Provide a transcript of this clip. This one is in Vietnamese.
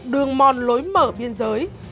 đường mòn lối mở biên giới